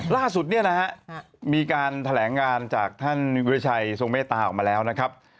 ล่าสุดเนี่ยนะฮะมีการแถลงงานจากท่านวิริชัยทรงเมตตาออกมาแล้วนะครับ